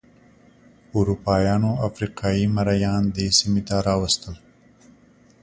اروپایانو افریقايي مریان دې سیمې ته راوستل.